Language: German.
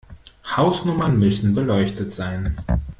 Hausnummern müssen beleuchtet sein.